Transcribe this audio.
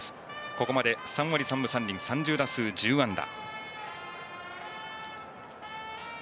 ここまで３割３分３厘３０打数１０安打。